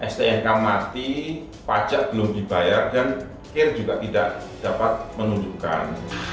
stnk mati pajak belum dibayar dan kir juga tidak dapat menunjukkan